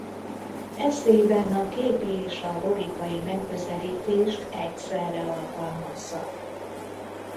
Esszéiben a képi és a logikai megközelítést egyszerre alkalmazza.